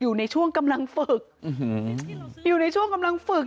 อยู่ในช่วงกำลังฝึกอยู่ในช่วงกำลังฝึก